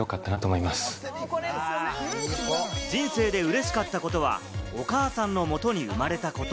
人生で嬉しかったことは、お母さんのもとに生まれたこと。